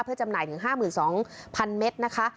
เพื่อจำหน่ายถึง๕๒๐๐๐เมตรนะคะ